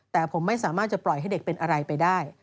แต่ผมไม่สามารถจะปล่อยให้เด็กเป็นอะไรไปได้